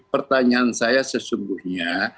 pertanyaan saya sesungguhnya